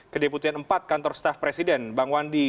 kedeputian empat kantor staff presiden bang wandi